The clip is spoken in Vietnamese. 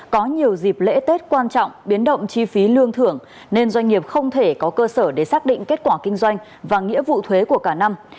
có nhiều dịp lễ tết quan trọng biến động chi phí lương thưởng nên doanh nghiệp không thể có cơ sở để xác định kết quả kinh doanh và nghĩa vụ thuế của cả năm